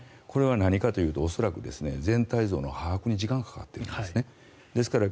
これが何かというと恐らく全体像の把握に時間がかかっているんです。